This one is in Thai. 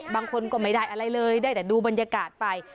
บางคนก็ไม่ได้อะไรเลยได้แต่ดูบรรยากาศไป